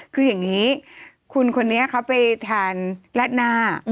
คืออย่างนี้คุณคนนี้เขาไปทานราดหน้า